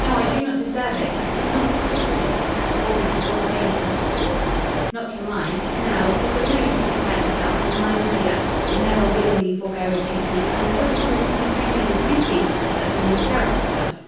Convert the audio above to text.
I do not deserve it; I could not accept it; I have forfeited all claim to assistance." "Not to mine. Now, it is of no use to excite yourself, my mind is made up. I never willingly forego a duty, and I look upon this not only as a duty, but as an imperative one.